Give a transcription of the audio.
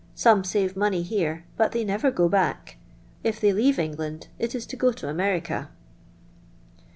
Some save money here, but they never go back; if they leave England it is to go to America."